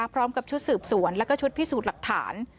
พร้อมกับชุดสืบสวนแล้วก็ชุดพิสูจน์หลักฐาน